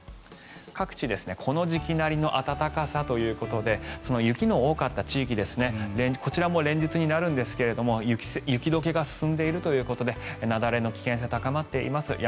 各地、この時期なりの暖かさということで雪の多かった地域ですねこちらも連日になるんですが雪解けが進んでいるということで雪崩の危険性が高まっています。